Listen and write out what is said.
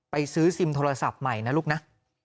ไปซื้อซิมโทรศัพท์ใหม่นะลูกนะ